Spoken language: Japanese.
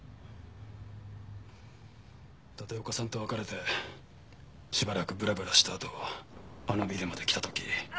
立岡さんと別れてしばらくブラブラしたあとあのビルまで来た時。